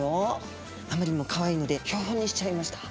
あんまりにもかわいいので標本にしちゃいました。